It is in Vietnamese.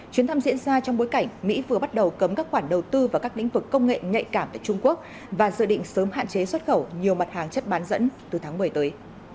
chuyến thăm diễn ra trong bối cảnh mỹ vừa bắt đầu cấm các khoản đầu tư vào các lĩnh vực công nghệ nhạy cảm tại trung quốc và dự định sớm hạn chế xuất khẩu nhiều mặt hàng chất bán dẫn từ tháng một mươi tới